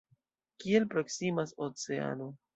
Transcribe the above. Kiel proksimas oceano!